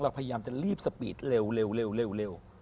พยายามจะรีบสปีดเร็ว